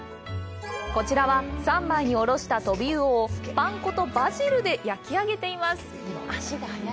こちらは３枚におろしたトビウオをパン粉とバジルで焼き上げています。